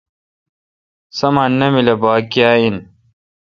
سامان نامل اؘ باگ کیا این۔